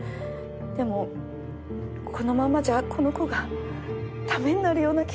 でもこのままじゃこの子が駄目になるような気がしてどうしたらいいのか？